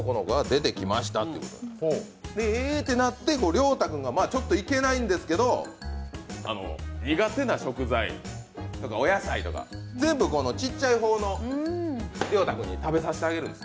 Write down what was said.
えーってなって、りょうたくんが、いけないんですけど苦手な食材とかお野菜とか、全部ちっちゃいほうのりょうたくんに食べさせてあげるんです。